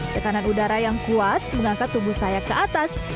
tekanan udara yang kuat mengangkat tubuh saya ke atas